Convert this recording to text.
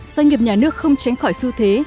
doanh nghiệp nhà nước không tránh khỏi xu thế